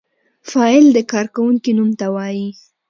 فاعل د کار کوونکی نوم ته وايي.